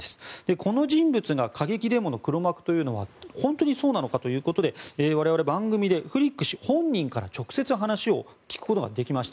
この人物が過激デモの黒幕という本当にそうなのかということで我々、番組でフリック氏本人から直接話を聞くことができました。